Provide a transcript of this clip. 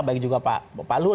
baik juga pak luhur